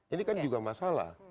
ini kan juga masalah